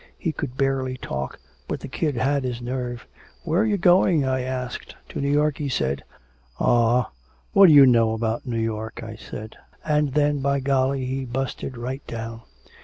He could barely talk, but the kid had his nerve! 'Where you going?' I asked. 'To New York,' he said. 'Aw, what do you know of New York?' I said. And then, by golly, he busted right down.